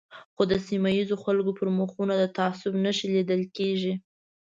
خو د سیمه ییزو خلکو پر مخونو د تعصب نښې لیدل کېږي.